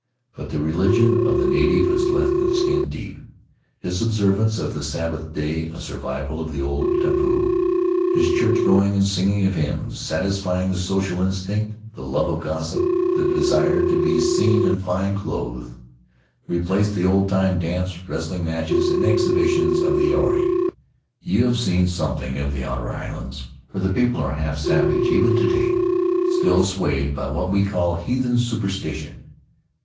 But the religion of the native is less than skin deep; his observance of the Sabbath day a survival of the old tapu; his churchgoing and singing of hymns — satisfying the social instinct, the love of gossip, the desire to be seen in fine clothes — replace the old time dance, wrestling matches, and exhibitions of the areoi. You have seen some thing of the outer islands, where the people are half savage even to day, still swayed by what we call heathen superstition.